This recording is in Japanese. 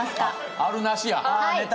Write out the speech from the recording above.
あるなしや。